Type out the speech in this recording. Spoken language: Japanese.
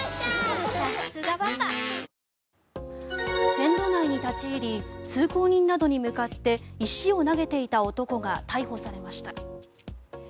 線路内に立ち入り通行人などに向かって石を投げていた男が逮捕されました。